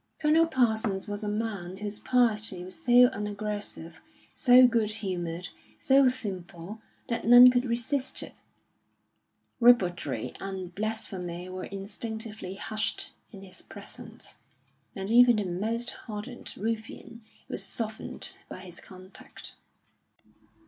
Colonel Parsons was a man whose piety was so unaggressive, so good humoured, so simple, that none could resist it; ribaldry and blasphemy were instinctively hushed in his presence, and even the most hardened ruffian was softened by his contact.